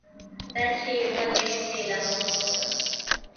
دا چې ولې بېله موضوع ده.